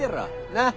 なっ？